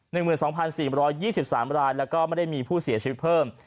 ใน๑๒๔๒๓รายแล้วก็ไม่ได้มีผู้เสียชีวิตเพิ่ม